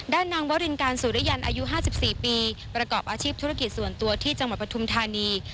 นางวรินการสุริยันอายุ๕๔ปีประกอบอาชีพธุรกิจส่วนตัวที่จังหวัดปฐุมธานี